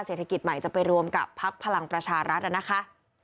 เศรษฐกิจใหม่จะไปรวมกับพักพลังประชารัฐนะคะ